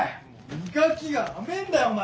磨きが甘えんだよお前！